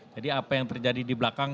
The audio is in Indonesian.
jadi apa yang terjadi di belakang